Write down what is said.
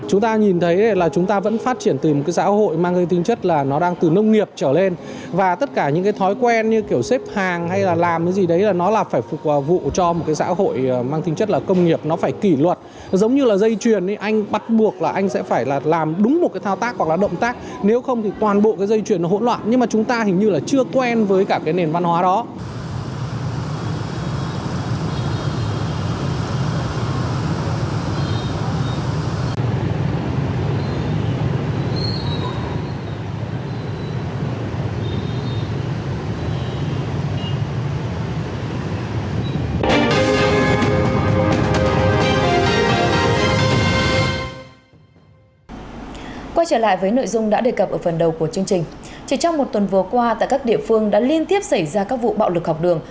chúng ta nhìn thấy là chúng ta vẫn phát triển từ một cái xã hội mang tính chất là nó đang từ nông nghiệp trở lên